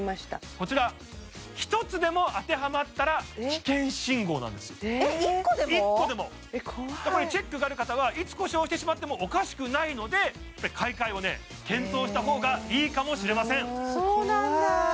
こちら１つでも当てはまったら危険信号なんです１個でもチェックがある方はいつ故障してしまってもおかしくないので買い替えを検討した方がいいかもしれませんそうなんだー